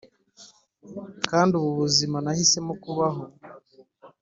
kandi ubu buzima nahisemo kubaho.